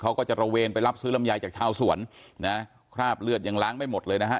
เขาก็จะระเวนไปรับซื้อลำไยจากชาวสวนนะคราบเลือดยังล้างไม่หมดเลยนะฮะ